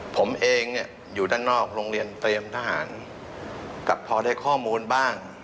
ผมเองเนี่ยอยู่ด้านนอกโรงเรียนเตรียมทหารกลับพอได้ข้อมูลบ้าง